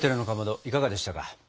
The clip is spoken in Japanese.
いかがでしたか？